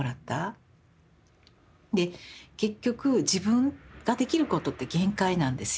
で結局自分ができることって限界なんですよ。